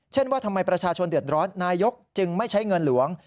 ว่าทำไมประชาชนเดือดร้อนนายกจึงไม่ใช้เงินหลวง